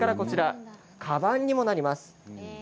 かばんにもなります。